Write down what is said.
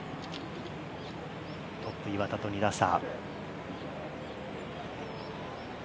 トップ岩田と２打差。